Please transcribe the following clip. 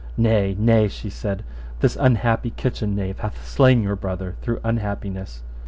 Nay, nay, she said, this unhappy kitchen knave hath slain your brother through unhappiness.